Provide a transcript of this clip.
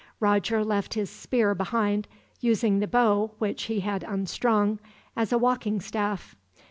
Roger left his spear behind; using the bow, which he had unstrung, as a walking staff.